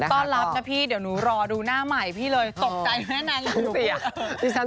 ต้อนรับนะพี่เดี๋ยวหนูรอดูหน้าใหม่พี่เลยตกใจไหมนางดูสิ